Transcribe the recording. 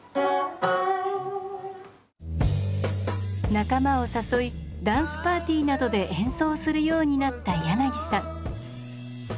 仲間を誘いダンスパーティーなどで演奏するようになった柳さん。